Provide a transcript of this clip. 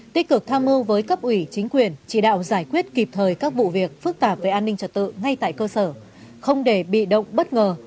tích cực tham mưu với cấp ủy chính quyền chỉ đạo giải quyết kịp thời các vụ việc phức tạp về an ninh trật tự ngay tại cơ sở không để bị động bất ngờ